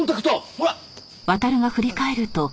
ほら！